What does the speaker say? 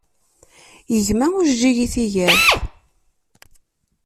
Yegma ujeǧǧig i tigert.